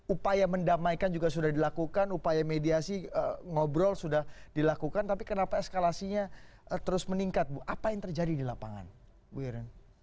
upaya mendamaikan juga sudah dilakukan upaya mediasi ngobrol sudah dilakukan tapi kenapa eskalasinya terus meningkat bu apa yang terjadi di lapangan bu irin